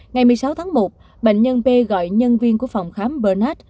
ngày một mươi sáu tháng một bệnh nhân p gọi nhân viên của phòng khám bernat